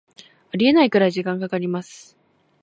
ありえないくらい時間かかります